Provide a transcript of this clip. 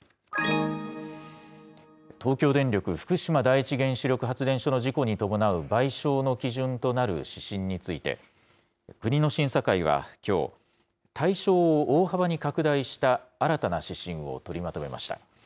東京電力福島第一原子力発電所の事故に伴う賠償の基準となる指針について、国の審査会はきょう、対象を大幅に拡大した新たな指針を取りまとめました。